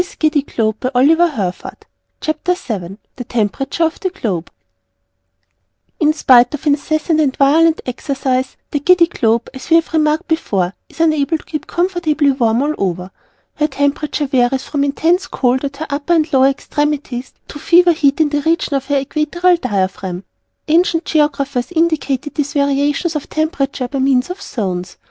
CHAPTER VII THE TEMPERATURE OF THE GLOBE In spite of incessant and violent exercise, the Giddy Globe (as we have remarked before) is unable to keep comfortably warm all over. Her Temperature varies from intense cold at her upper and lower extremities to fever heat in the region of her equatorial diaphragm. Ancient Geographers indicated these variations of temperature by means of Zones.